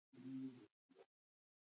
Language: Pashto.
جانداد د نورو ارزښت پېژني.